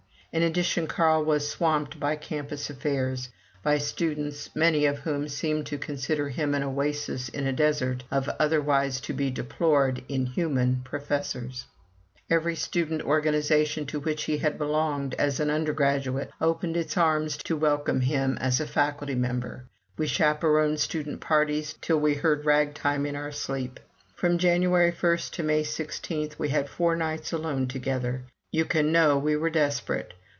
In addition, Carl was swamped by campus affairs by students, many of whom seemed to consider him an oasis in a desert of otherwise to be deplored, unhuman professors. Every student organization to which he had belonged as an undergraduate opened its arms to welcome him as a faculty member; we chaperoned student parties till we heard rag time in our sleep. From January 1 to May 16, we had four nights alone together. You can know we were desperate.